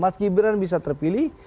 mas gibran bisa terpilih